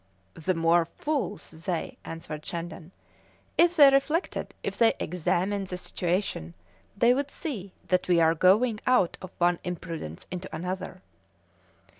"The more fools they!" answered Shandon. "If they reflected, if they examined the situation, they would see that we are going out of one imprudence into another."